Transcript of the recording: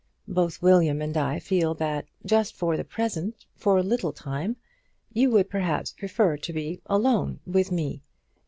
Both William and I feel that just for the present, for a little time, you would perhaps prefer to be alone with me.